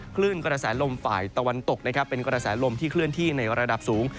คลื่นกระแสลมฝ่ายตะวันตกนะครับเป็นกระแสลมที่เคลื่อนที่ในระดับสูง